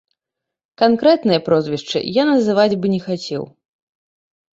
Канкрэтныя прозвішчы я называць б не хацеў.